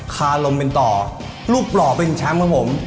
ขาลมเบนต่อลูกหล่อเป็นชั้นไหมผม